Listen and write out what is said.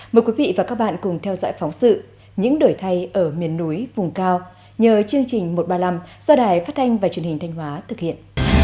mời quý vị và các bạn cùng theo dõi phóng sự những đổi thay ở miền núi vùng cao nhờ chương trình một trăm ba mươi năm do đài phát thanh và truyền hình thanh hóa thực hiện